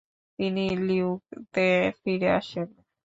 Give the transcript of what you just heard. তিনি লিওঁতে ফিরে আসেন।